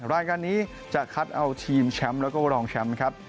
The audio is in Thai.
รายการนี้จะคัดเอาทีมแชมป์แล้วก็รองแชมป์ครับ